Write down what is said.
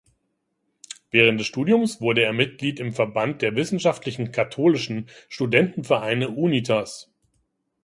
Während des Studiums wurde er Mitglied im Verband der wissenschaftlichen katholischen Studentenvereine Unitas.